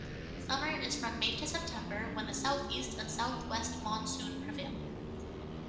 Summer is from May to September, when the southeast and southwest monsoon prevailing.